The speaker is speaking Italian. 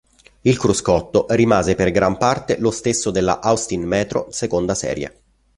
Il cruscotto rimase per gran parte lo stesso della Austin Metro seconda serie.